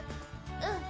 「うん」